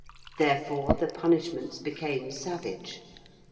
Therefore the punishments became savage.